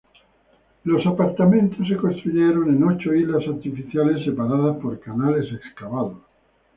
Los apartamentos se construyeron en ocho islas artificiales, separados por canales excavados.